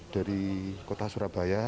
dari kota surabaya